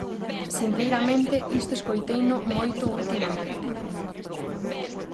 Sinceiramente, isto escoiteino moito ultimamente.